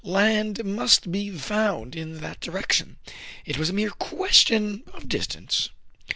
Land must be found in that direction. It was a mere question of distance.